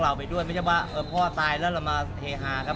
อิงค์ไม่ได้คิดว่าพ่อตายก็เลยไม่อยากจะฝัน